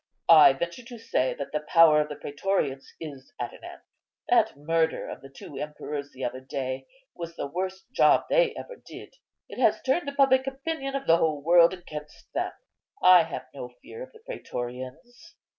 I venture to say that the power of the prætorians is at an end. That murder of the two emperors the other day was the worst job they ever did; it has turned the public opinion of the whole world against them. I have no fear of the prætorians."